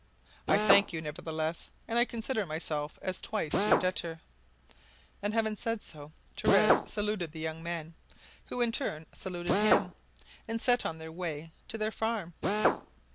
I thank you, nevertheless, and I consider myself as twice your debtor." And having said so, Torres saluted the young men, who in turn saluted him, and set out on their way to the farm.